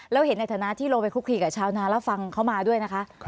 แล้วเห็นในฐานะที่เราไปคุกคลีกับชาวนาแล้วฟังเขามาด้วยนะคะ